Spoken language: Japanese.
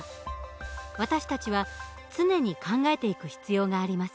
私たちは常に考えていく必要があります。